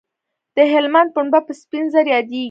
د هلمند پنبه په سپین زر یادیږي